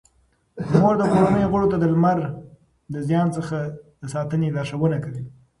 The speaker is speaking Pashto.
مور د کورنۍ غړو ته د لمر د زیان څخه د ساتنې لارښوونه کوي.